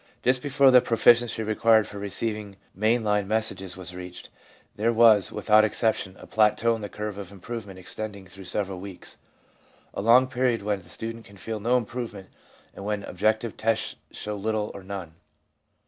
Just before the proficiency required for receiving main line messages was reached, there was, without exception, a plateau in the curve of improvement extending through several weeks — a long period when * the student can feel no improvement, and when objective tests show little or none.'